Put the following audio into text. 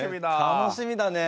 楽しみだね。